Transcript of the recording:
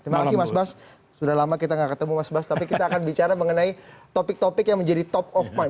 terima kasih mas bas sudah lama kita gak ketemu mas bas tapi kita akan bicara mengenai topik topik yang menjadi top of mind